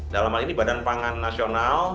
dalam hal ini badan pangan nasional